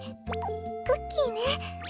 クッキーね。